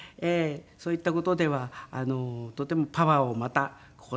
そういった事ではとてもパワーをまたここでいただいたと。